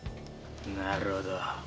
なるほど。